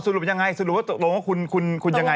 เอ่อสรุปยังไงคุณคุณอย่างไง